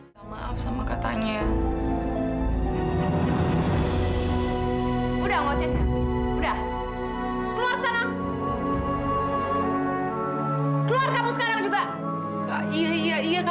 sampai jumpa di video selanjutnya